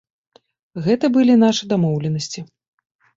Гэта былі нашы дамоўленасці.